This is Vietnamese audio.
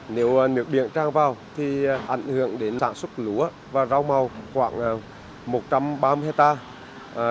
nếu nước biển trang vào thì ảnh hưởng đến sản xuất lúa và rau màu khoảng một trăm ba mươi hectare